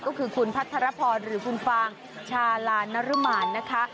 ก็คือคุณพัทรพรหรือคุณฟางชาลานรมานนะคะ